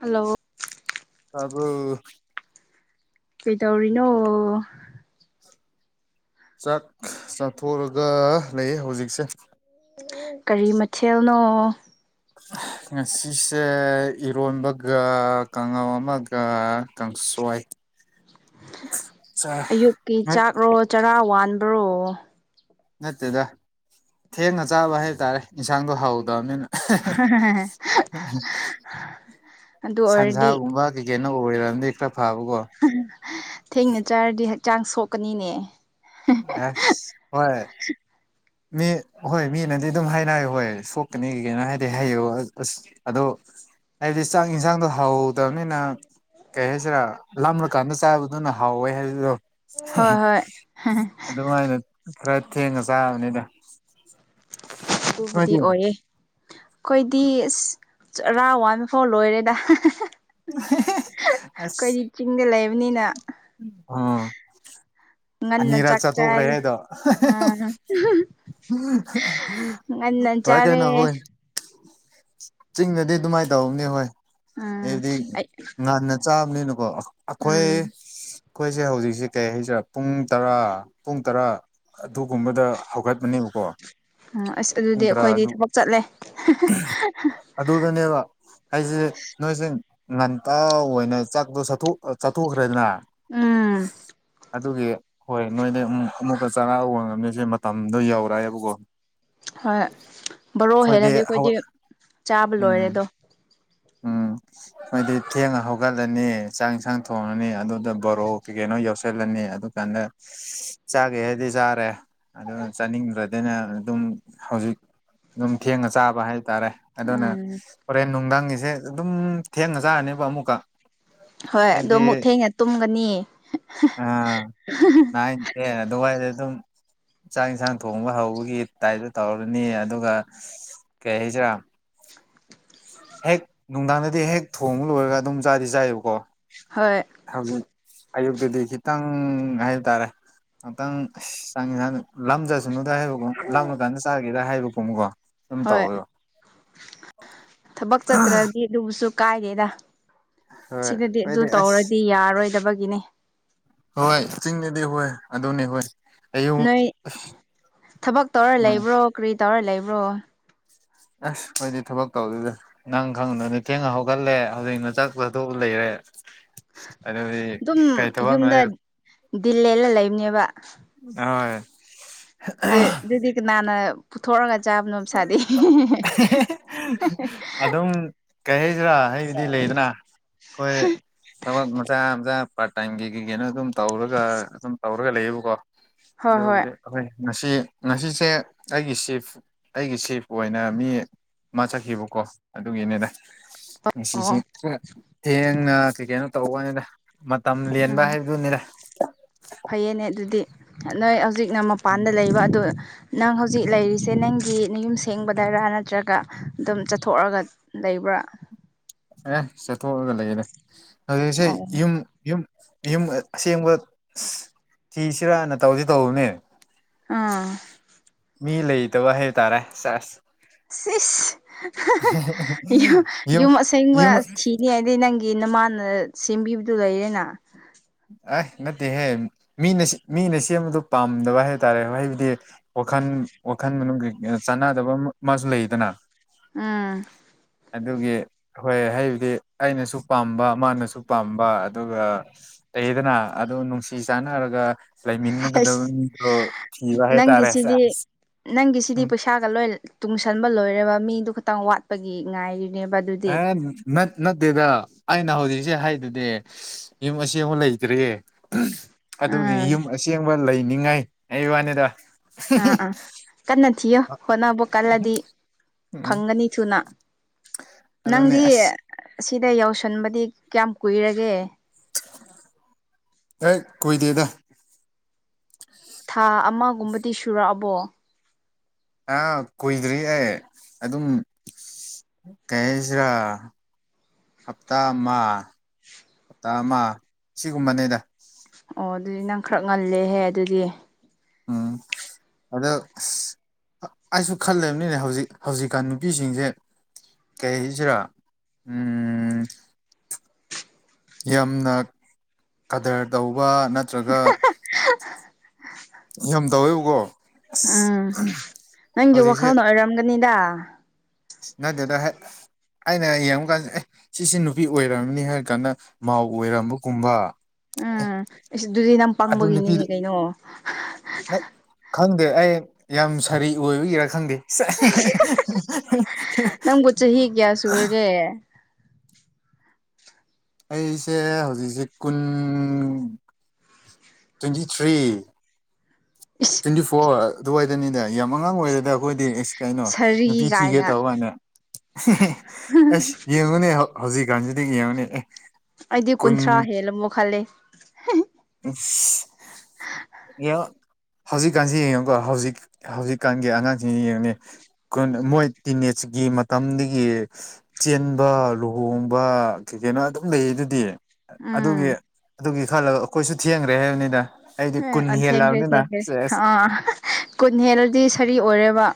hello ꯑꯕꯨ ꯄꯗꯧꯔꯤꯅꯣ ꯆꯥꯛ ꯆꯥꯊꯣꯛꯑꯒ ꯂꯩ ꯍꯧꯖꯤꯛꯁꯦ ꯀꯔꯤ ꯃꯊꯦꯜꯅꯣ ꯉꯁꯤꯁꯦ ꯏꯔꯣꯟꯕꯒ ꯀꯥꯡꯉꯥꯎ ꯑꯃꯒ ꯀꯥꯡꯁꯣꯏ ꯆꯥꯏ ꯑꯌꯨꯛꯀꯤ ꯍꯣꯏ ꯆꯥꯛꯔꯣ ꯆꯔꯥ ꯋꯥꯟꯕ꯭ꯔꯣ ꯅꯠꯇꯦꯗ ꯊꯦꯡꯅ ꯆꯥꯕ ꯍꯥꯏꯇꯥꯔꯦ ꯏꯟꯁꯥꯡꯗꯣ ꯍ ꯍꯧꯗꯕꯅꯤꯅ ꯑꯗꯨ ꯑꯣꯏꯔꯗꯤ ꯁꯟꯖꯥꯒꯨꯝꯕ ꯀꯩꯒꯅ ꯑꯣꯏꯔꯗꯤ ꯈꯔ ꯐꯥꯕꯀꯣ ꯊꯦꯡꯅ ꯆꯥꯔꯗꯤ ꯍꯛꯆꯥꯡ ꯁꯣꯛꯀꯅꯤꯅꯦ ꯑꯁ ꯍꯣꯏ ꯃꯤ ꯍꯣꯏ ꯃꯤꯅꯗꯤ ꯑꯗꯨꯝ ꯍꯥꯏꯅ ꯍꯣꯏ ꯁꯣꯛꯀꯅꯤ ꯀꯒꯤꯅ ꯍꯥꯏꯗꯤ ꯍꯥꯏꯌꯨ ꯑꯁ ꯑꯗꯣ ꯍꯥꯏꯗꯤ ꯆꯥꯛ ꯌꯦꯟꯁꯥꯡꯗꯣ ꯍ ꯍꯧꯗꯕꯅꯤꯅ ꯀꯩ ꯍꯥꯏꯁꯤꯔꯥ ꯂꯔꯀꯥꯟꯗ ꯆꯥꯕ ꯑꯗꯨꯅ ꯍꯥꯎꯋꯦ ꯍꯥꯏꯕꯗꯣ ꯍꯣꯏ ꯍꯣꯏ ꯑꯗꯨꯃꯥꯏꯅ ꯈ꯭ꯔ ꯊꯦꯡꯉ ꯆꯕꯅꯤꯗ ꯑꯗꯨꯕꯨꯗꯤ ꯑꯣꯏꯌꯦꯦ ꯑꯩꯈꯣꯏꯗꯤ ꯑ ꯔꯔꯥꯋꯥꯏꯕ ꯐꯥꯎ ꯂꯣꯏꯔꯦꯗ ꯑꯁ ꯑꯩꯈꯣꯏꯗꯤ ꯆꯤꯡꯗ ꯂꯩꯕꯅꯤꯅ ꯑꯥ ꯉꯟꯅ ꯑꯅꯤꯔꯛ ꯆꯥꯊꯣꯛꯈ꯭ꯔꯦ ꯆꯥꯛꯆꯥꯥꯏ ꯍꯥꯏꯗꯣ ꯑ ꯉ ꯍꯣꯏ ꯅꯖꯔꯦ ꯀꯩꯅꯣ ꯍꯣꯏ ꯆꯤꯡꯗꯗꯤ ꯑꯗꯨꯃꯥꯏꯅ ꯇꯧꯅꯦ ꯍꯣꯏ ꯎꯝ ꯍꯥꯏꯗꯤ ꯑꯩ ꯉꯟꯅ ꯆꯥꯕ ꯅꯤꯅꯀꯣ ꯑꯩꯈꯣꯏ ꯎꯝ ꯑꯩꯈꯣꯏꯁꯦ ꯍꯧꯖꯤꯛꯁꯦ ꯀꯩ ꯍꯥꯏꯁꯤꯔꯥ ꯄꯨꯡ ꯇꯔꯥ ꯄꯨꯡ ꯇꯔꯥ ꯑꯗꯨꯒꯨꯝꯕꯗ ꯍꯧꯒꯠꯄꯅꯦꯕ ꯎ ꯑꯁ ꯑꯗꯨꯗꯤ ꯑꯩꯈꯣꯏꯗꯤ ꯊꯕꯛ ꯆꯠꯂꯦ ꯑꯗꯨꯗ ꯑꯗꯨꯅꯦꯦꯕ ꯍꯥꯏꯁꯦ ꯅꯣꯏꯁꯦ ꯉꯥꯟꯇ ꯑꯣꯏꯅ ꯆꯥꯛꯇꯣ ꯆꯠꯊꯣꯛꯈ꯭ꯔꯦꯗꯅ ꯎꯝ ꯑꯗꯨꯒꯤ ꯍꯣꯏ ꯅꯣꯏꯅꯦ ꯑꯃꯨꯀ ꯆꯔꯥ ꯍꯧꯕ ꯉꯝꯂꯤꯁꯦ ꯃꯇꯝꯗꯣ ꯌꯧꯔꯛꯑꯦꯕꯀꯣ ꯍꯣꯏ ꯕꯣꯔꯣ ꯍꯦꯂꯖꯤ ꯑꯩꯈꯣꯏꯗꯤ ꯆꯥꯕ ꯂꯣꯏꯔꯦ ꯑꯗꯣ ꯑꯝ ꯍꯥꯏꯗꯤ ꯊꯦꯡꯉ ꯍꯧꯒꯠꯂꯅꯤ ꯆꯥꯡ ꯏꯟꯁꯥꯡ ꯊꯣꯡꯉꯅꯤ ꯑꯗꯨꯗ ꯕꯣꯔꯣꯛ ꯀꯩ ꯀꯩꯅꯣ ꯌꯧꯁꯜꯂꯅꯤ ꯑꯗꯨ ꯀꯥꯟꯗ ꯆꯥꯒꯦ ꯍꯥꯏꯗꯤ ꯆꯥꯔꯦ ꯑꯗꯨ ꯆꯥꯅꯤꯡꯗ꯭ꯔꯗꯅ ꯑꯗꯨꯝ ꯍꯧꯖꯤꯛ ꯑꯗꯨꯝ ꯊꯦꯡꯉ ꯆꯥꯕ ꯍꯥꯏ ꯍꯥꯏ ꯇꯔꯦ ꯑꯗꯨꯅ ꯎꯝ ꯍꯣꯔꯦꯟ ꯅꯨꯡꯊꯪꯒꯤꯁꯦ ꯑꯗꯨꯝ ꯊꯦꯡꯉ ꯆꯥꯔꯅꯦꯕ ꯑꯃꯨꯛꯀ ꯍꯣꯏ ꯑꯣ ꯃꯨꯛ ꯊꯦꯡꯅ ꯇꯨꯝꯒꯅꯤ ꯑꯦ ꯑꯗꯨꯗꯨꯕꯏꯗ ꯑꯗꯨ [unintelligible] ꯆꯥꯛ ꯏꯟꯁꯥꯡ ꯊꯣꯡꯕ ꯍꯧꯕꯒꯤ ꯇꯥꯏꯇꯨ ꯇꯧꯔꯅꯤ ꯑꯗꯨꯒ ꯀꯩ ꯍꯥꯏꯁꯤꯔꯥ [unintelligible] ꯍꯦꯛ ꯅꯨꯡꯗꯥꯡꯗꯗꯤ ꯍꯦꯛ ꯊꯣꯡꯉ ꯂꯣꯏꯔꯒ ꯑꯗꯨꯝ ꯆꯥꯗꯤ ꯆꯥꯏꯕꯀꯣ ꯍꯣꯏ ꯍꯧꯖꯤꯛ ꯑꯌꯨꯛꯇꯨꯗꯤ ꯈꯤꯇꯪ ꯍꯥꯏꯇꯥꯔꯦ ꯉꯥꯛꯇꯪ ꯆꯪꯉꯁ ꯂꯝꯗꯠ ꯀꯨꯅꯨꯗ ꯍꯥꯏꯕꯀꯣ ꯂꯥꯞꯅ ꯀꯥꯟꯗ ꯆꯥꯒꯦꯔ ꯍꯥꯏꯕ ꯄꯣꯃꯀꯣ ꯍꯣꯏ ꯊꯕꯛ ꯆꯠꯇ꯭ꯔꯗꯤ ꯑꯗꯨꯕꯨꯁꯨ ꯀꯥꯏꯗꯦꯗ ꯍꯣꯏ ꯁꯤꯗꯗꯤ ꯑꯗꯨ ꯑꯩꯈꯣꯏꯗꯤ ꯑꯁ ꯇꯧꯔꯗꯤ ꯌꯥꯔꯔꯣꯏꯗꯕꯒꯤꯅꯦ ꯍꯣꯏ ꯆꯤꯡꯅꯦꯗꯤ ꯍꯣꯏ ꯑꯗꯨꯅꯦ ꯍꯣꯏ ꯑꯌꯨꯛ ꯅꯣꯏ ꯊꯕꯛ ꯇꯧꯔ ꯎꯝ ꯂꯩꯕ꯭ꯔꯣ ꯀꯔꯤ ꯇꯧꯔ ꯂꯩꯕ꯭ꯔꯣ ꯑꯁ ꯑꯩꯗꯤ ꯊꯕꯛ ꯇꯧꯗꯣꯏꯗ ꯅꯪ ꯈꯪꯗ ꯅꯤꯡ ꯊꯦꯡꯅ ꯍꯧꯒꯠꯂꯦ ꯍꯧꯖꯤꯛꯅ ꯆꯠꯄꯗꯣꯛ ꯂꯩꯔꯦ ꯑꯗꯗꯤ ꯑꯗꯨꯝ ꯀꯩ ꯇꯕꯉ ꯌꯨꯝꯗ ꯗꯤꯜ ꯂꯂ ꯂꯩꯕꯅꯦꯕ ꯍ ꯑꯗꯨ ꯑꯗꯨꯗꯤ ꯀꯅꯥꯅ ꯄꯨꯊꯣꯔꯒ ꯆꯥꯕꯅꯣ ꯃꯁꯥꯗꯤ ꯑꯗꯨꯝ ꯀꯩ ꯍꯥꯏꯩꯁꯤꯔꯥ ꯍꯕꯗꯤ ꯂꯩꯗꯅ ꯑꯩꯈꯣꯏ ꯊꯕꯛ ꯃꯆꯥ ꯃꯆꯥ ꯄꯥꯔꯠ ꯇꯥꯏꯝꯒꯤ ꯀꯩ ꯀꯅ ꯑꯗꯨꯝ ꯇꯧꯔꯒ ꯑꯗꯨꯝ ꯇꯧꯔꯒ ꯂꯩꯌꯦꯕꯀꯣ ꯍꯣꯏ ꯍꯣꯏ ꯑꯗꯨꯕꯨꯗꯤ ꯑꯩꯈꯣꯏ ꯉꯁꯤ ꯉꯁꯤꯁꯦ ꯑꯩꯒꯤ ꯁꯤꯐ ꯑꯩꯒꯤ ꯁꯦꯐ ꯑꯣꯏꯅ ꯃꯤ ꯑꯃ ꯆꯠꯈꯤꯕꯀꯣ ꯑꯗꯨꯒꯤꯅꯤꯅꯦ ꯑꯣ ꯃꯁꯤꯁꯦ ꯊꯦꯡꯅ ꯀꯩ ꯀꯩꯅꯣ ꯇꯧꯕꯅꯤꯅ ꯃꯇꯝ ꯂꯦꯟꯕ ꯎꯝ ꯍꯥꯏꯕꯗꯨꯅꯤꯔ ꯐꯩꯌꯦꯅꯦ ꯑꯗꯨꯗꯤ ꯅꯣꯏ ꯍꯧꯖꯤꯛꯅ ꯃꯄꯥꯟꯗ ꯂꯩꯕ ꯑꯗꯨ ꯅꯪ ꯍꯧꯖꯤꯛ ꯂꯩꯔꯤꯁꯦ ꯅꯪꯒꯤ ꯅꯌꯨꯝ ꯁꯦꯡꯕꯗꯔꯥ ꯅꯠꯇ꯭ꯔꯒ ꯑꯗꯨꯝ ꯆꯠꯊꯣꯛꯑꯒ ꯂꯩꯕ ꯭ꯔꯥ ꯑꯦ ꯆꯠꯊꯣꯛꯑꯒ ꯂꯩꯅꯦ ꯑꯗꯨꯁꯦ ꯑꯣ ꯌꯨꯝ ꯌꯨꯝ ꯌꯨꯝ ꯑꯁꯦꯡꯕ ꯊꯤꯁꯤꯔꯥꯅ ꯇꯧꯁꯤ ꯇꯧꯕꯅꯦ ꯑ ꯃꯤ ꯂꯩꯇꯕ ꯍꯥꯏꯇꯥꯔꯦ ꯆꯁ ꯁꯤꯁ ꯌꯨꯝ ꯑꯁꯦꯡꯕ ꯌꯨꯝ ꯊꯤꯅꯤ ꯍꯥꯏꯗꯤꯩ ꯅꯪ ꯅꯃꯥꯟꯅ ꯁꯦꯝꯕꯤꯕꯗꯨ ꯂꯩꯔꯦꯅ ꯑ ꯅꯠꯇꯦꯍꯦ ꯃꯤꯅ ꯃꯤꯅ ꯁꯦꯝꯕꯗ ꯄꯥꯝꯗꯕ ꯍꯥꯏ ꯇꯔꯦ ꯍꯥꯏꯩꯕꯨꯗꯤ ꯋꯥꯈꯜ ꯋꯥꯈꯜ ꯃꯅꯨꯡꯩ ꯆꯥꯟꯅꯗꯕ ꯃꯥꯁꯨ ꯂꯩꯗꯅ ꯑꯝ ꯑꯗꯨꯒꯤ ꯍꯣꯏ ꯍꯥꯏꯕꯗꯤ ꯑꯩꯅꯁꯨ ꯄꯥꯝꯕ ꯃꯥꯅꯁꯨ ꯄꯥꯝꯕ ꯑꯗꯨꯒ ꯂꯩꯌꯦꯗꯅ ꯑꯗꯨ ꯅꯨꯡꯁꯤ ꯆꯥꯟꯅꯔꯒ ꯥꯏ ꯃꯤꯅ ꯀꯗꯧ ꯑꯁ ꯊꯤꯕ ꯍꯥꯏ ꯇꯥꯔꯦꯁ ꯅꯪꯒꯤꯁꯤꯗꯤ ꯅꯪꯒꯤꯁꯤꯗꯤ ꯄꯩꯁꯥꯒ ꯂꯣꯏ ꯇꯨꯡꯁꯟꯕ ꯂꯣꯏꯔꯦꯔꯕ ꯃꯤꯗꯨ ꯈꯇꯪ ꯋꯥꯠꯄꯒꯤ ꯉꯥꯏꯔꯤ ꯑ ꯃ ꯅꯠꯇꯦꯗ ꯑꯩꯅ ꯍꯧꯖꯤꯛꯁꯦ ꯍꯥꯏꯗꯨꯗꯤ ꯌꯨꯝ ꯑꯁꯤꯃꯨꯛ ꯂꯩꯇ꯭ꯔꯦ ꯑꯗꯨꯒꯤ ꯎꯝ ꯌꯨꯝ ꯑꯁꯦꯡꯕ ꯂꯩꯅꯤꯉꯥꯏ ꯑꯩ ꯋꯥꯅꯤꯗ ꯑꯥ ꯑꯥ ꯀꯟꯅ ꯊꯤꯌꯣ ꯍꯣꯠꯅꯕ ꯀꯜꯂꯗꯤ ꯎꯝ ꯐꯪꯒꯅꯤ ꯊꯨꯅ ꯑꯗꯨꯅꯦ ꯅꯪꯗꯤ ꯑꯁ ꯁꯤꯗ ꯌꯥꯎꯁꯟꯕꯗꯤ ꯀꯌꯥꯝ ꯀꯨꯏꯔꯒꯦ ꯑꯦ ꯀꯣꯏ ꯗꯗ ꯊꯥ ꯑꯃꯒꯨꯝꯕꯗꯤ ꯁꯨꯔꯛꯑꯕꯣ ꯑ ꯀꯨꯏꯗ꯭ꯔꯤ ꯑꯦ ꯑꯗꯨꯝ ꯇꯦꯁꯔꯥ ꯍꯞꯇꯥ ꯑꯃ ꯍꯞꯇꯥ ꯑꯃ ꯁꯤꯒꯨꯝꯕꯅꯦꯗ ꯑꯣ ꯑꯗꯨꯗꯤ ꯅꯪ ꯈꯔ ꯉꯜꯂꯦꯍꯦ ꯑꯗꯨꯗꯤ ꯑꯥ ꯑꯗ ꯑꯩꯁꯨ ꯈꯜꯂꯕꯅꯤꯅꯦ ꯍꯧꯖꯤꯛ ꯍꯧꯖꯤꯛꯀꯥꯟ ꯅꯨꯄꯤꯁꯤꯡꯁꯦ ꯀꯩ ꯍꯥꯏꯁꯤꯔꯥ ꯎꯝ ꯌꯥꯝꯅ ꯀꯗꯔ ꯇꯧꯕ ꯅꯠꯇ꯭ꯔꯒ ꯌꯥꯝ ꯇꯧꯋꯦꯕꯀꯣ ꯑꯁ ꯎꯝ ꯅꯪꯒꯤ ꯋꯥꯈꯜꯅ ꯑꯣꯏꯔꯝꯒꯅꯤꯗ ꯅ ꯗꯦꯗ ꯍꯥꯏ ꯑꯩꯅ ꯌꯦꯡꯕꯀꯥꯟꯗꯦ ꯑꯦ ꯁꯤꯁꯦ ꯅꯨꯄꯤ ꯑꯣꯏꯔꯝꯅꯤ ꯍꯥꯏꯔ ꯀꯥꯟꯗ ꯃꯥꯎ ꯑꯣꯏꯔꯝꯕꯒꯨꯝꯕ ꯎꯝ ꯑꯩ ꯑꯗꯨꯗꯤ ꯅ ꯑꯗꯨ ꯅꯨꯄꯤ ꯄꯪꯕꯒꯤꯅꯤꯅꯦ ꯀꯩꯅꯣ ꯑꯗ ꯑꯩ ꯌꯥꯝ ꯁꯥꯔꯤ ꯑꯣꯏꯕꯒꯤꯔꯥ ꯈꯪꯗꯦ ꯅꯝꯒꯆ ꯍꯤꯒꯌꯥ ꯁꯔꯒꯦ [unintelligible] ꯑꯩꯁꯦ ꯍꯧꯖꯤꯛ ꯍꯧꯖꯤꯛ ꯀꯨꯟ twenty three is twenty four ꯑꯋꯥꯔ ꯑꯗꯨꯋꯥꯏꯗꯅꯤꯗ ꯌꯥꯝ ꯑꯉꯥꯡ ꯑꯣꯏꯔꯦꯗ ꯑꯩꯈꯣꯏꯗꯤ ꯀꯩꯅꯣ ꯅꯨꯄꯤ ꯁꯥꯔꯤ ꯊꯤꯒꯦ ꯀꯥꯏꯅ ꯇꯧꯕꯅꯦ ꯑꯁ ꯌꯦꯡꯉꯨꯅꯦ ꯍꯧꯖꯤꯛ ꯥꯟꯖꯔꯤꯉꯤ ꯑꯃꯅꯦ ꯑꯦ ꯑꯩꯗꯤ ꯀꯨꯟ ꯀꯨꯟꯊ꯭ꯔꯥ ꯍꯦꯜꯂꯝꯃꯨ ꯈꯂꯦ ꯌ ꯍꯧꯖꯤꯛꯀꯥꯟꯁꯤ ꯌꯦꯡꯉꯨꯀꯣ ꯍꯧꯖꯤꯛ ꯍꯧꯖꯤꯛꯀꯥꯟꯒꯤ ꯑꯉꯥꯡꯁꯤꯡꯁꯤ ꯌꯦꯡꯉꯨꯅꯦ ꯃꯣꯏ ꯇꯤꯤꯟꯦꯖꯀꯤ ꯃꯇꯝꯗꯒꯤ ꯆꯦꯟꯕ ꯂꯨꯍꯣꯡꯕ ꯀꯩꯅꯣ ꯑꯗꯨꯝ ꯂꯩ ꯑꯗꯨꯗꯤ ꯑꯗꯨꯒꯤ ꯎꯝ ꯑꯗꯨꯒꯤ ꯈꯜꯂꯒ ꯑꯩꯈꯣꯏꯁꯨ ꯊꯦꯡꯈ꯭ꯔꯦ ꯍꯥꯏꯕꯅꯤꯗ ꯑꯩꯗꯤ ꯑ ꯀꯨꯟ ꯑ ꯊꯦꯡꯈ꯭ꯔꯦ ꯍꯦꯜꯂꯕꯅꯤꯅ ꯊꯦꯡꯈꯦ ꯁꯦꯁ ꯑꯥ ꯀꯨꯟ ꯍꯦꯜꯂꯗꯤ ꯁꯔꯤ ꯑꯣꯏꯔꯦꯕ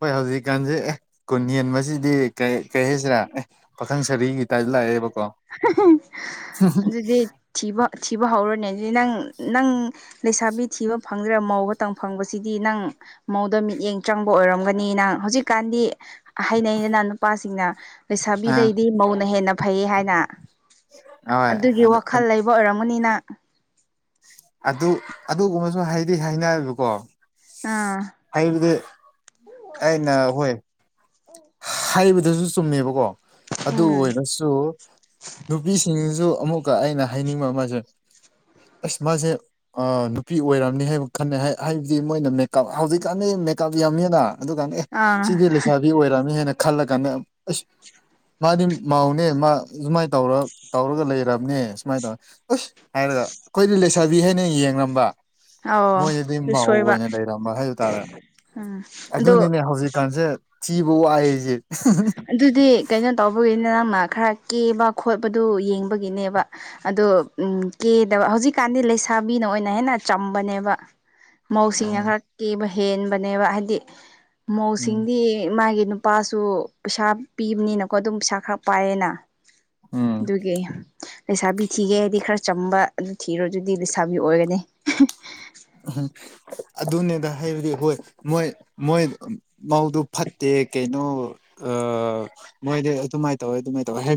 ꯍꯣꯏ ꯍꯧꯖꯤꯛꯀꯥꯟꯁꯦ ꯑꯦ ꯀꯨꯟ ꯌꯦꯟꯗꯤ ꯀꯩ ꯍꯥꯏꯁꯤꯔꯥ ꯑꯦ ꯄꯥꯈꯪ ꯁꯔꯤꯒꯤ ꯂꯥꯏ ꯂꯩ ꯑꯗꯨꯗꯤ ꯊꯤꯕ ꯊꯤꯕ ꯍꯧꯔꯅꯦ ꯑꯗꯨꯗꯤ ꯅꯪ ꯅꯪ ꯂꯩꯁꯥꯕꯤ ꯊꯤꯕ ꯐꯪꯗ꯭ꯔꯥ ꯃꯧ ꯈꯇꯪ ꯐꯪꯕꯁꯤꯗꯤ ꯅꯪ ꯃꯧꯗ ꯃꯤꯠꯌꯦꯡ ꯆꯪꯕ ꯑꯣꯏꯔꯝꯒꯅꯤ ꯅꯪ ꯍꯧꯖꯤꯛꯀꯥꯟꯗꯤ ꯍꯩꯅꯩꯅ ꯅ ꯅꯨꯄꯥꯁꯤꯡꯅ ꯑ ꯂꯩꯁꯥꯕꯤꯗꯩꯗꯤ ꯃꯧꯅ ꯍꯦꯟꯅ ꯐꯩ ꯍꯥꯏꯅ ꯍꯣꯏ ꯑꯗꯨꯒꯤ ꯑꯗꯨ ꯋꯥꯈꯜ ꯂꯩꯕ ꯑꯣꯏꯔꯝꯃꯅꯤꯅ ꯑꯗꯨ ꯑꯗꯨꯒꯨꯝꯕꯁꯨ ꯍꯥꯏꯗꯤ ꯍꯥꯏꯅꯕꯀꯣ ꯑꯥ ꯍꯥꯏꯕꯗꯤ ꯑꯩꯅ ꯍꯣꯏ ꯍꯥꯏꯕꯗꯨꯁꯨ ꯆꯨꯝꯃꯦꯕꯀꯣ ꯑꯗꯨ ꯑꯣꯏꯔꯁꯨ ꯅꯨꯄꯤꯁꯤꯡꯁꯤꯁꯨ ꯑꯃꯨꯛꯀ ꯑꯩꯅ ꯍꯥꯏꯅꯤꯡꯕ ꯑꯃꯁꯦ ꯑꯁ ꯃꯥꯁꯦ ꯅꯨꯄꯤ ꯑꯣꯏꯔꯝꯅꯤ ꯍꯥꯏꯕ ꯈꯟꯅꯩ ꯍꯥꯏꯕꯗꯤ ꯃꯣꯏꯅ ꯃꯦꯀꯞ ꯍꯧꯖꯤꯛꯀꯥꯟꯅꯤ ꯃꯦꯞ ꯌꯥꯝꯅꯤꯅ ꯑꯗꯨ ꯀꯥꯟꯗ ꯑꯦ ꯑꯥ ꯁꯤꯗꯤ ꯂꯩꯁꯥꯕꯤ ꯑꯣꯏꯔꯅꯤ ꯑꯗꯨ ꯍꯦꯟꯅ ꯈꯜꯂ ꯀꯥꯟꯗ ꯑꯁ ꯃꯥꯗꯤ ꯃꯧꯅꯦ ꯃꯥ ꯁꯃꯥꯏꯅ ꯇꯧꯔ ꯇꯧꯔꯒ ꯂꯩꯔꯕꯅꯦ ꯁꯨꯃꯥꯏꯅ ꯇꯧꯅꯤ ꯑꯁ ꯍꯥꯏꯔꯒ ꯑꯩꯈꯣꯏꯗꯤ ꯂꯩꯁꯥꯕꯤ ꯍꯥꯏꯅ ꯌꯦꯡꯉꯝꯕ ꯑꯧ ꯃꯣꯏꯗꯗꯤ ꯑꯗꯨ ꯃꯧ ꯁꯣꯏꯕ ꯑꯣꯏꯅ ꯂꯩꯔꯝꯕ ꯍꯥꯏꯕ ꯇꯥꯔꯦ ꯎꯝ ꯑꯗꯣ ꯑꯗꯨꯅꯤꯅꯦ ꯍꯧꯖꯤꯛꯀꯥꯟꯁꯦ ꯆꯤꯕꯨ ꯋꯥꯏꯑꯦꯁꯦ ꯑꯗꯨꯗꯤ ꯀꯩꯅꯣ ꯇꯧꯕꯒꯤ ꯅ ꯅꯪꯅ ꯈꯔ ꯀꯦꯕ ꯈꯣꯠꯄꯗꯨ ꯌꯦꯡꯕꯒꯤꯅꯦꯕ ꯑꯗꯣ ꯎ ꯀꯦꯗꯕ ꯍꯧꯖꯤꯛꯀꯥꯟꯗꯤ ꯂꯩꯁꯥꯕꯤ ꯩꯅ ꯑꯣꯏꯅ ꯍꯦꯟꯅ ꯆꯝꯕꯅꯦꯕ ꯃꯧꯁꯤꯡꯅ ꯎꯝ ꯈꯔ ꯀꯦꯕ ꯍꯦꯟꯕꯅꯦꯕ ꯍꯥꯏꯗꯤ ꯎꯝ ꯃꯧꯁꯤꯡꯗꯤ ꯃꯥꯒꯤ ꯅꯨꯄꯥꯁꯨ ꯄꯩꯁꯥ ꯄꯤꯕꯅꯤꯅꯀꯣ ꯑꯗꯨꯝ ꯄꯩꯁꯥ ꯈꯔ ꯄꯥꯏꯌꯦꯅ ꯎꯝ ꯑꯗꯨꯒꯤ ꯂꯩꯩꯁꯥꯕꯤ ꯊꯤꯒꯦ ꯍꯥꯏꯗꯤ ꯈꯔ ꯆꯝꯕ ꯑꯗꯨ ꯊꯤꯔꯨꯔ ꯑꯗꯨꯗꯤ ꯂꯩꯁꯥꯕꯤ ꯑꯣꯏꯒꯅꯤ ꯑꯗꯨꯅꯦꯗ ꯍꯥꯏꯕꯗꯤ ꯍꯣꯏ ꯃꯣꯏ ꯃꯣꯏ ꯃꯧꯗꯨ ꯐꯠꯇꯦ ꯀꯩꯅꯣ ꯃꯣꯏꯗꯤ ꯑꯗꯨꯃꯥꯏꯅ ꯇꯧꯋꯦ ꯑꯗꯨꯃꯥꯏꯅ ꯇꯧꯋꯦ ꯍꯥꯏ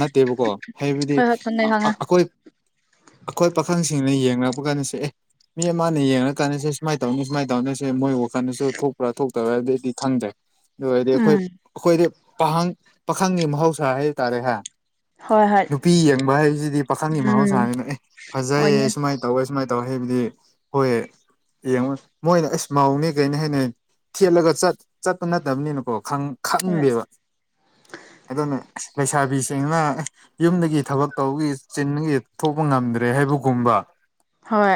ꯅꯠꯇꯦꯕꯀꯣ ꯍꯥꯏꯕꯗꯤ ꯍꯣꯏ ꯍꯣꯏ ꯈꯪꯉꯦ ꯈꯪꯉꯦ ꯑꯩꯈꯣꯏ ꯑꯩꯈꯣꯏ ꯄꯥꯈꯪꯁꯤꯡꯅ ꯌꯦꯡ ꯌꯦꯉꯛꯄ ꯀꯥꯟꯁꯦ ꯑꯦ ꯃꯤ ꯑꯃꯅ ꯌꯦꯡꯉ ꯀꯥꯟꯗꯁꯦꯨꯃꯥꯏꯅ ꯇꯧꯅꯤ ꯁꯨꯃꯥꯏꯅ ꯇꯧꯅꯤꯅꯁꯦ ꯃꯣꯏ ꯋꯥꯈꯜꯗꯁꯨ ꯊꯣꯛꯄ꯭ꯔꯥ ꯊꯣꯛ ꯇꯧꯔꯗꯤꯗꯤ ꯈꯪꯗ꯭ꯔꯦ ꯑꯗꯨ ꯑꯣꯏꯔꯗꯤ ꯑꯩꯈꯣꯏ ꯎꯝ ꯑꯩꯈꯣꯏꯗꯤ ꯄꯥꯈꯪ ꯄꯥꯈꯪꯒꯤ ꯃꯍꯧꯁꯥ ꯍꯥꯏꯇꯥꯥꯔꯦꯍꯦ ꯍꯣꯏ ꯍꯣꯏ ꯅꯨꯄꯤ ꯌꯦꯡꯕ ꯍꯥꯏꯕꯁꯤꯗꯤ ꯄꯥꯈꯪꯒꯤ ꯎꯝ ꯃꯍꯧꯁꯥꯅꯤꯅ ꯑꯦ ꯐꯖꯩꯌꯦ ꯍꯣꯏꯅꯦ ꯁꯨꯃꯥꯏꯅ ꯇꯧꯋꯦ ꯁꯨꯃꯥꯏꯅ ꯇꯧꯋꯦ ꯍꯥꯏꯕꯗꯤ ꯍꯣꯏ ꯌꯦꯡꯉꯣ ꯃꯣꯏꯅ ꯑꯁ ꯃꯧꯅꯦ ꯀꯩꯅꯤ ꯍꯥꯏꯅ ꯊꯦꯠꯂꯒ ꯆꯠꯄ ꯅꯠꯇꯕꯅꯤꯅꯀꯣ ꯈꯪ ꯍꯣꯏ ꯈꯪꯗꯕ ꯑꯗꯨꯅ ꯂꯩꯁꯥꯕꯤꯁꯤꯡꯅ ꯌꯨꯝꯗꯒꯤ ꯊꯕꯛ ꯇꯧꯕꯒꯤ ꯆꯤꯟꯒꯤ ꯊꯣꯛꯄ ꯉꯝꯗ꯭ꯔꯦ ꯍꯥꯏꯕꯒꯨꯝꯕ ꯍꯣꯏ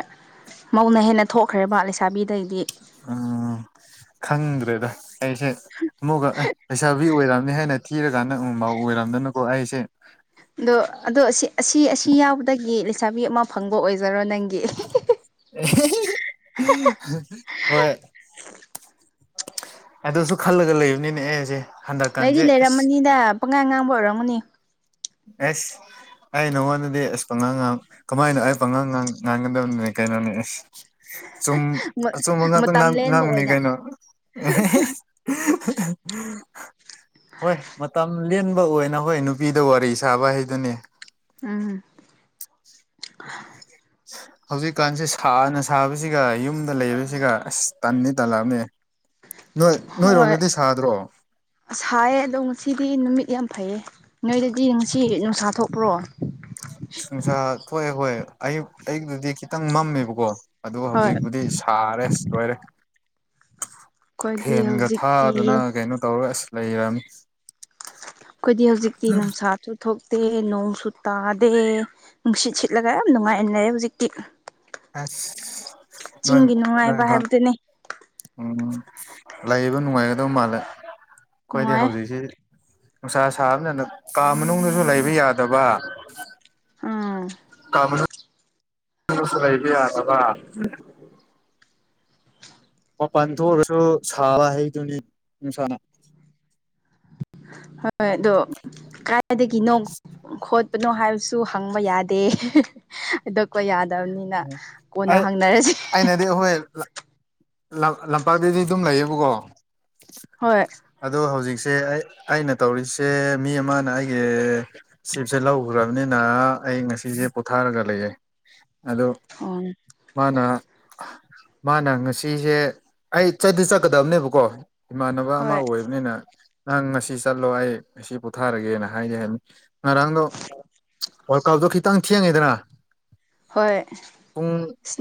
ꯃꯧꯅ ꯍꯦꯟꯅ ꯊꯣꯛꯈ꯭ꯔꯦꯕ ꯂꯩꯁꯥꯕꯤꯗꯒꯤꯗꯤ ꯎꯝ ꯈꯪꯗ꯭ꯔꯦꯗ ꯑꯩꯁꯦ ꯑꯃꯨꯛꯒ ꯑꯦ ꯄꯩꯁꯥꯕꯤ ꯑꯣꯏꯔꯝꯅꯤ ꯍꯥꯏꯅ ꯊꯤꯔꯀꯥꯟꯗ ꯎꯐꯥꯎ ꯑꯣꯏꯔꯝꯗꯅꯨꯀꯣ ꯑꯩꯁꯦ ꯑꯗꯣ ꯑꯗꯣ ꯑꯁꯤ ꯑꯁꯤ ꯌꯥꯎꯕꯗꯒꯤ ꯂꯩꯁꯥꯕꯤ ꯑꯃ ꯐꯪꯕ ꯑꯣꯏꯖꯔꯣ ꯅꯪꯒꯤ [unintelligible] ꯍꯣꯏ ꯑꯗꯨꯁꯨ ꯈꯜꯂꯒ ꯂꯩꯕꯅꯤꯅꯦ ꯑꯦꯁꯦ ꯂꯩꯗꯤ ꯂꯩꯔꯝꯃꯅꯤꯗ ꯄꯪꯉꯥꯡ ꯉꯥꯡꯕ ꯑꯣꯏꯔꯝꯃꯅꯤ ꯑꯦꯁ ꯑꯩ ꯅꯪꯉꯣꯟꯗꯗꯤ ꯑꯁ ꯄꯥꯉꯥꯡ ꯉꯥꯡ ꯀꯃꯥꯏꯅꯣ ꯑꯩ ꯄꯥꯉꯥꯡꯉꯥꯡ ꯉꯥꯡꯒꯗꯝꯅꯦ ꯀꯥꯏꯅꫭꯅꯦ ꯑꯦꯁ ꯆꯨꯝ ꯑꯆꯨꯝꯕ ꯉꯥꯇ ꯃꯇꯝ ꯆꯥꯡ ꯂꯦꯟꯕ ꯉꯥꯡꯕꯅꯤ ꯑꯣꯏꯅ ꯀꯩꯅꯣ [unintelligible] [unintelligible] ꯍꯣꯏ ꯃꯇꯝ ꯂꯦꯟꯕ ꯑꯣꯏꯅ ꯍꯣꯏ ꯅꯨꯄꯤꯗ ꯋꯥꯔꯤ ꯁꯥꯕ ꯍꯥꯏꯗꯨꯅꯦ ꯎꯝ ꯍꯧꯖꯤꯛꯀꯥꯟꯁꯦ ꯁꯥꯅ ꯁꯥꯕꯁꯤꯒ ꯌꯨꯝꯗ ꯂꯩꯕꯁꯤꯒ ꯑꯁ ꯇꯟꯅꯤ ꯇꯜꯂꯛꯑꯕꯅꯦ ꯅꯣꯏ ꯅꯣꯏꯔꯣꯝꯗꯗꯤ ꯁꯥꯗ꯭ꯔꯣ ꯑꯁ ꯁꯥꯏꯌꯦ ꯑꯗꯣ ꯉꯁꯤꯗꯤ ꯅꯨꯃꯤꯠ ꯌꯥꯝ ꯐꯩꯌꯦ ꯅꯣꯏꯗꯗꯤ ꯉꯁꯤ ꯅꯨꯡꯁꯥ ꯊꯣꯛꯄ꯭ꯔꯣ ꯅꯨꯡꯁꯥ ꯊꯣꯛꯑꯦ ꯍꯣꯏ ꯑꯌꯛ ꯑꯩꯗꯗꯤ ꯈꯤꯇꯪ ꯃꯝꯃꯦꯕꯀꯣ ꯑꯗꯨ ꯍꯧꯖꯤꯛꯄꯨꯗꯤ ꯁꯥꯔꯦ ꯂꯣꯏꯔꯦ ꯑꯩꯈꯣꯏꯗꯤ ꯐꯦꯟꯒ ꯍꯧꯖꯤꯛꯇꯤ ꯊꯥꯗꯨꯅ ꯀꯩꯅꯣ ꯇꯧꯔ ꯑꯁ ꯂꯩꯔꯅꯤ ꯑꯈꯣꯏꯗꯤ ꯍꯧꯖꯤꯛꯇꯤ ꯅꯨꯡꯁꯥꯇꯨ ꯊꯣꯛ ꯇꯦꯏ ꯅꯣꯡꯁꯨ ꯇꯥꯗꯦ ꯅꯨꯡꯁꯤꯠ ꯁꯤꯠꯂꯒ ꯌꯥꯝ ꯅꯨꯡꯉꯥꯏꯅ ꯂꯩꯔꯦ ꯍꯨꯖꯤꯛꯇꯤ ꯑꯠꯁ ꯅꯣꯏ ꯅꯣꯏ ꯅꯨꯡꯉꯥꯏꯕ ꯐꯝ ꯍꯥꯏꯕꯗꯨꯅꯤ ꯎꯝ ꯂꯩꯕ ꯅꯨꯡꯉꯥꯏꯒꯗꯕ ꯃꯥꯜꯂꯦ ꯑꯩꯈꯣꯏꯗꯤ ꯅꯨꯡꯉꯥꯏ ꯍꯧꯖꯤꯛꯁꯤ ꯅꯨꯡꯁꯥ ꯁꯥꯕꯅꯦꯅ ꯀꯥ ꯃꯅꯨꯡꯗꯁꯨ ꯂꯩꯕ ꯌꯥꯗꯕ ꯎꯝ [unintelligible] [unintelligible] ꯂꯩꯗꯤ ꯌꯥꯗꯕꯥ ꯃꯄꯥꯟ ꯊꯣꯛꯑꯒꯁꯨ ꯁꯥꯕ ꯍꯩꯗꯨꯅꯤ ꯅꯨꯡꯁꯥꯅ ꯍꯣꯏ ꯑꯗꯣ ꯀꯥꯏꯗꯒꯤꯅꯣ ꯈꫭꯠ ꯅꯣ ꯍꯥꯏꯕꯁꯨ ꯍꯪꯕ ꯌꯥꯗꯦ [unintelligible] ꯍꯥꯏꯗꫭꯛꯄ ꯌꯥꯗꯦ ꯅꯤꯅ ꯎꯝ ꯀꯣꯟꯅ ꯑꯩ ꯍꯪꯅꯔꯁꯤ ꯑꯩꯅꯗꯤ ꯑꯩꯈꯣꯏ ꯂꯝꯄꯥꯛꯇꯗꯤ ꯑꯗꯨꯝ ꯂꯩꯌꯦꯕꯀꯣ ꯍꯣꯏ ꯑꯗꯣ ꯍꯧꯖꯤꯛ ꯁꯦ ꯑꯩ-ꯑꯩꯅ ꯇꯧꯔꯤꯁꯦ ꯃꯤ ꯑꯃꯅ ꯑꯩꯒꯤ ꯁꯤꯞꯁꯦ ꯂꯧꯈ꯭ꯔꯝꯅꯤꯅ ꯑꯩ ꯉꯁꯤꯗꯤ ꯄꯣꯊꯥꯔꯒ ꯂꯩꯌꯦ ꯑꯗꯣ ꯎꯝ ꯃꯥꯅ ꯃꯥꯅ ꯉꯁꯤ ꯑꯩꯁꯦ ꯑꯩ ꯆꯠꯇꯤ ꯆꯠꯀꯗꯕꯅꯦꯕꯀꯣ ꯏꯃꯥꯟꯅꯕ ꯑꯃ ꯍꯣꯏ ꯑꯣꯏꯕꯅꯤꯅ ꯅꯪ ꯉꯁꯤ ꯆꯠꯂꯣ ꯑꯩ ꯉꯁꯤ ꯄꯣꯊꯥꯔꯒꯦꯅ ꯍꯥꯏꯔꯝꯅꯦ ꯉꯔꯥꯡꯗꯣ ꯋꯥꯜ ꯀꯞꯇꯣ ꯈꯤꯇꯪ ꯊꯦꯡꯉꯦꯗꯅ ꯍꯣꯏ ꯄꯨꯡ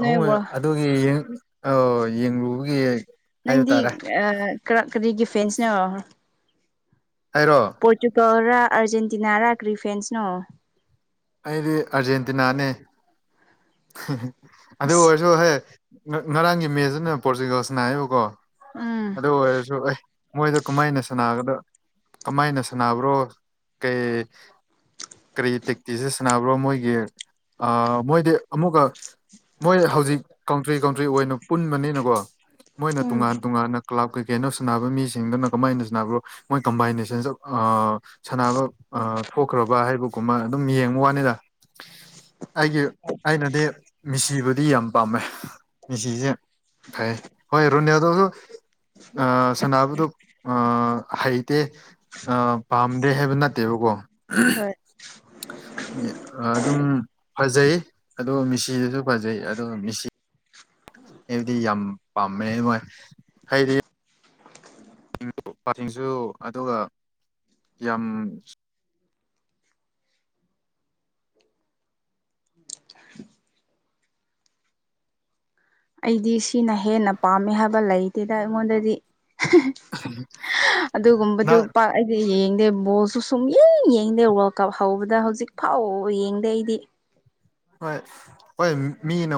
ꯑꯍꯨꯝ ꯑꯗꯨꯒꯤ ꯌꯦꯡ ꯑꯥꯎ ꯌꯦꯡꯂꯨꯕꯒꯤ ꯍꯥꯏꯕ ꯅꯪꯗꯤ ꯇꯥꯔꯦ ꯑ ꯀꯔ ꯀꯔꯤꯒꯤ ꯐꯦꯟꯁꯅꫭ ꯑꯩꯔꯣ ꯄꯣꯔꯇꯨꯒꯜ ꯔ ꯑꯔꯖꯦꯟꯇꯤꯅꯥ ꯔ ꯀ꯭ꯔꯤ ꯐꯦꯟꯁꯅꯣ ꯑꯩꯗꯤ ꯑꯔꯖꯦꯟꯇꯤꯅꯥꯅꯦ [unintelligible] ꯑꯗꯨ ꯑꯣꯏꯔꯁꯨ ꯍꯦ ꯉꯥ ꯉꯔꯥꯡꯒꯤ ꯃꯦꯁꯇꯅꯦ ꯄꯣꯔꯆꯨꯒꯜ ꯁꯅꯥꯌꯦꯕꯀꫭ ꯎꯝ ꯑꯗꯨ ꯑꯣꯏꯔꯁꯨ ꯑꯩ ꯃꯣꯏꯗ ꯀꯃꯥꯏꯅ ꯁꯥꯟꯒꯗ ꯀꯃꯥꯏꯅ ꯁꯥꯟꯅꯕ꯭ꯔꯣ ꯀꯩ ꯀꯔꯤ ꯇꯦꯛꯇꯤꯖ ꯁꯥꯟꯅꯕ꯭ꯔꯣ ꯃꯣꯏꯒꯤ ꯑ ꯃꯣꯏꯗꯤ ꯑꯃꯨꯛꯀ ꯃꯣꯏ ꯍꯧꯖꯤꯛ ꯀꯥꯎꯟꯇ꯭ꯔꯤ ꯀꯥꯎꯟꯇ꯭ꯔꯤ ꯑꯣꯏꯅ ꯄꯨꯟꯕꯅꯤꯅꯀꯣ ꯃꯣꯏꯅ ꯎꯝ ꯇꯣꯉꯥꯟ ꯇꯣꯉꯥꯟꯅ ꯀ꯭ꯂꯥꯕ ꯀꯩꯀꯩꯅꯣ ꯁꯥꯟꯅꯕ ꯃꯤꯁꯤꯡꯗꯨꯅ ꯀꯃꯥꯏꯅ ꯁꯥꯟꯅꯕꯣꯅꫭ ꯃꯣꯏ ꯀꯝꯕꯥꯏꯅꯦꯁꯟꯁ ꯑ ꯁꯥꯟꯅꯕ ꯑ ꯊꯣꯛꯈ꯭ꯔꯕ ꯍꯥꯏꯕꯒꯨꯝꯕ ꯑꯗꯨꯝ ꯌꯦꯡꯕ ꯋꯥꯅꯤꯗ ꯑꯩꯒꯤ ꯑꯩꯅꯗꯤ ꯃꯤꯁꯤꯕꯨꯗꯤ ꯌꯥꯝ ꯄꯥꯝꯃꯦ ꯃꯤꯁꯤꯁꯦ ꯐꯩ ꯍꯣꯏ ꯔꯨꯅꯦꯜꯗꫭꯖꯨ ꯑ ꯁꯅꯥꯕꯗꯣ ꯑ ꯍꯩꯇꯦ ꯄꯥꯝꯗꯦ ꯍꯥꯏꯕ ꯅꯠꯇꯦꯕꯀꯣ ꯍꯣꯏ ꯑꯗꯨꯝ ꯐꯖꯩ ꯑꯗꯣ ꯃꯤ ꯁꯦꯁꯤꯗꯨꯁꯨ ꯐꯖꯩ ꯑꯗꯣ ꯃꯦꯁꯤ ꯑꯩꯕꯨꯗꯤ ꯌꯥꯝ ꯄꯥꯝꯃꯦ ꯑꯗꯨ ꯍꯥꯏꯗꯤ [inaudible] ꯄꯥꯁꯨ ꯑꯗꯨꯒ ꯌꯥꯝ ꯑꯩꯗꯤ ꯁꯤꯅ ꯍꯦꯟꯅ ꯄꯥꯝꯃꯦ ꯍꯥꯏꯕ ꯂꯩꯇꯦꯗ ꯑꯩꯉꯣꯟꯗꯗꯤ ꯑꯗꯨꯒꯨꯝꯕꯗꯨ ꯅ ꯄꯥꯛ ꯑꯩꯗꯤ ꯌꯦꯡꯗꯦ ꯕꯣꯜꯁꯨ ꯁꯨꯝ ꯌꯦꯡ ꯌꯦꯡꯗꯦ ꯋꯥꯔꯜ ꯀꯞ ꯍꯧꯕꯗ ꯍꯧꯖꯤꯛ ꯐꯥꯎ ꯌꯦꯡꯗꯦ ꯑꯩꯗꯤ ꯍꯣꯏ ꯍꯣꯏ ꯃꯤ ꯅ